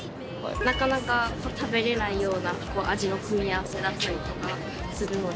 なかなか食べれないような味の組み合わせだったりとかするので。